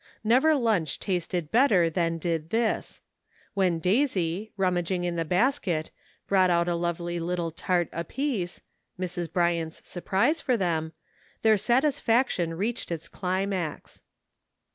Never lunch tasted better than did this. When Daisy, rummaging in the basket, brought out a lovely little tart apiece — Mrs. Bryant's surprise for them — their satisfaction reached its climax.